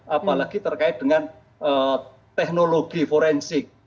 apalagi terkait dengan teknologi forensik